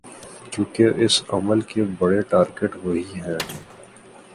کیونکہ اس عمل کے بڑے ٹارگٹ وہی ہیں۔